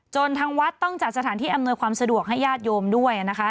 ทางวัดต้องจัดสถานที่อำนวยความสะดวกให้ญาติโยมด้วยนะคะ